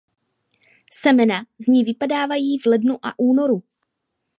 Semena z ní vypadávají v lednu a únoru.